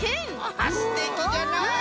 あすてきじゃな！